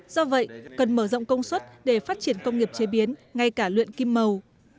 do vậy cần mở rộng công suất để phát triển công nghiệp chế biến ngay cả luyện kim màu